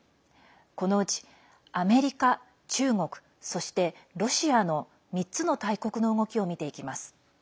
このうちアメリカ、中国そして、ロシアの３つの大国の動きを見ていきます。